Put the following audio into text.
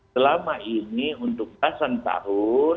selama ini untuk belasan tahun